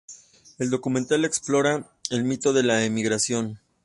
El documental explora el mito de la emigración.